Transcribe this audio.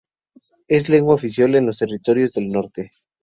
Es lengua oficial en los Territorios del Norte.